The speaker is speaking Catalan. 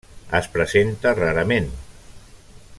Es presenta rarament.